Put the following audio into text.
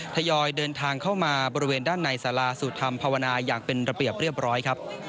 ทยอยเดินทางเข้ามาบริเวณด้านในสาราสู่ธรรมภาวนาอย่างเป็นระเบียบเรียบร้อยครับ